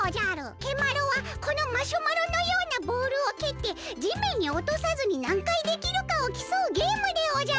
蹴マロはこのマシュマロのようなボールをけってじめんにおとさずになんかいできるかをきそうゲームでおじゃる！